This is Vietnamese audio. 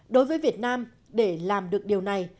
đối với việt nam để làm được điều này